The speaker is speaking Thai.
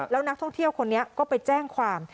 แล้วนักท่องเที่ยวคนนี้ก็ไปแจ้งความ